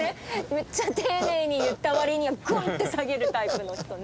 めっちゃ丁寧に言った割にはグン！って下げるタイプの人ね。